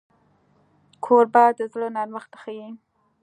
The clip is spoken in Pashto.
کوربه د زړه نرمښت ښيي.